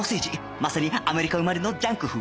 まさにアメリカ生まれのジャンクフード